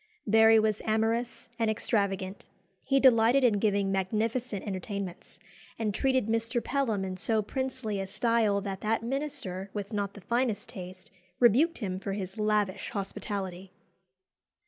Barry was amorous and extravagant. He delighted in giving magnificent entertainments, and treated Mr. Pelham in so princely a style that that minister (with not the finest taste) rebuked him for his lavish hospitality.